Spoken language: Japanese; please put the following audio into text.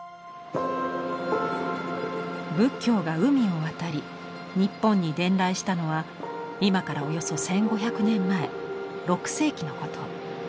仏教が海を渡り日本に伝来したのは今からおよそ１，５００年前６世紀のこと。